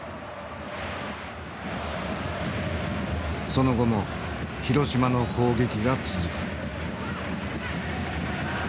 その後も広島の攻撃が続く。